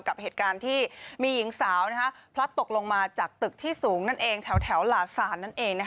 กับเหตุการณ์ที่มีหญิงสาวพลัดตกลงมาจากตึกที่สูงนั่นเองแถวหลาศาลนั่นเอง